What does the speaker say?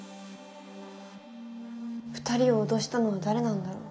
２人を脅したのは誰なんだろう？